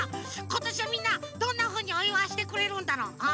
ことしはみんなどんなふうにおいわいしてくれるんだろう。